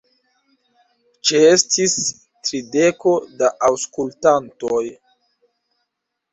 Ĉeestis trideko da aŭskultantoj.